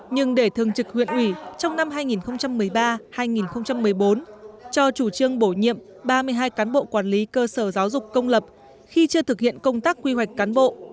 nhưng để thường trực huyện ủy trong năm hai nghìn một mươi ba hai nghìn một mươi bốn cho chủ trương bổ nhiệm ba mươi hai cán bộ quản lý cơ sở giáo dục công lập khi chưa thực hiện công tác quy hoạch cán bộ